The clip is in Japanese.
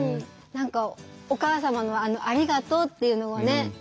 何かお母様のあの「ありがとう」っていうのがね